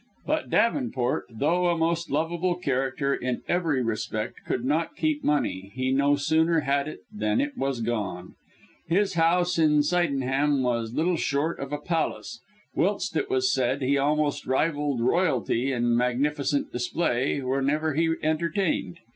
But Davenport, though a most lovable character in every respect, could not keep money he no sooner had it than it was gone. His house in Sydenham was little short of a palace; whilst, it was said, he almost rivalled royalty, in magnificent display, whenever he entertained.